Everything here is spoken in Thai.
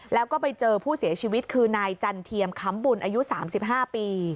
แล้วก็ไปเจอผู้เสียชีวิตคือนายจันเทียมค้ำบุญอายุ๓๕ปี